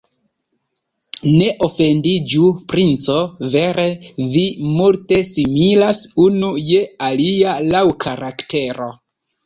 Ne ofendiĝu, princo, vere, vi multe similas unu je alia laŭ karaktero.